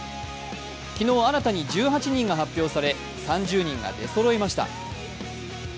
昨日、新たに１８人が発表され３０人が出そろいました。